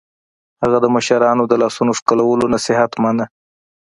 هغه د مشرانو د لاسونو ښکلولو نصیحت مانه